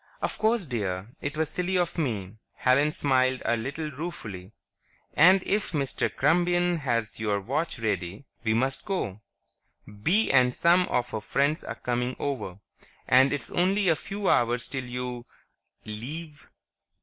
"Of course, dear; it was silly of me." Helen smiled a little ruefully. "And if Mr. Krumbein has your watch ready, we must go. Bee and some of her friends are coming over, and it's only a few hours 'till you ... leave."